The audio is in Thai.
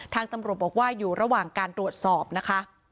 ทางตำรวจบอกว่าอยู่ระหว่างการตรวจสอบนะคะ